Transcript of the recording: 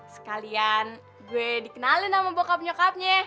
sekalian gue dikenalin sama bokap nyokapnya